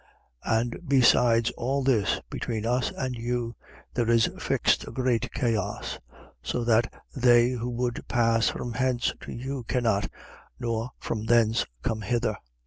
16:26. And besides all this, between us and you, there is fixed a great chaos: so that they who would pass from hence to you cannot, nor from thence come hither.